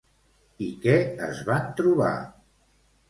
I què es van trobar?